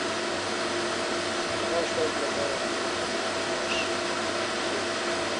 د غاښ درد لپاره کوم غوړي په غاښ کیږدم؟